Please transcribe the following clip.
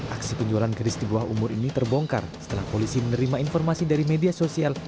aksi penjualan kedis di bawah umur ini terbongkar setelah polisi menerima informasi dari media sosial